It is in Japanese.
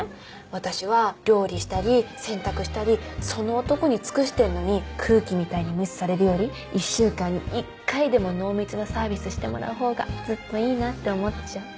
私は料理したり洗濯したりその男に尽くしてんのに空気みたいに無視されるより１週間に１回でも濃密なサービスしてもらうほうがずっといいなって思っちゃう。